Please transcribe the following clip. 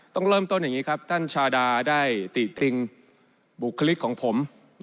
ต้องเริ่มต้นอย่างนี้ครับท่านชาดาได้ติพิงบุคลิกของผม